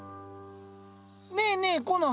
ねえねえコノハ。